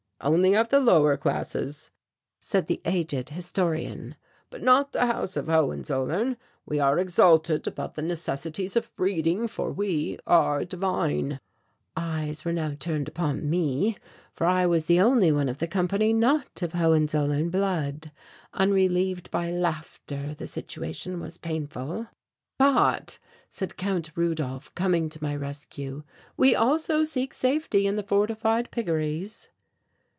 "Only of the lower classes," said the aged historian, "but not the House of Hohenzollern. We are exalted above the necessities of breeding, for we are divine." Eyes were now turned upon me, for I was the only one of the company not of Hohenzollern blood. Unrelieved by laughter the situation was painful. "But," said Count Rudolph, coming to my rescue, "we also seek safety in the fortified piggeries."